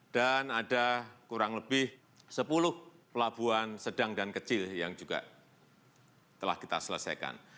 dan ada kurang lebih sepuluh pelabuhan sedang dan kecil yang juga telah kita selesaikan